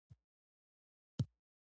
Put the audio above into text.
بریالیتوب ستاسو دی